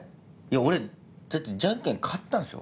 俺だってじゃんけん勝ったんですよ？